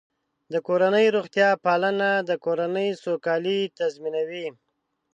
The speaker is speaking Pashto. د کورنۍ روغتیا پالنه د کورنۍ سوکالي تضمینوي.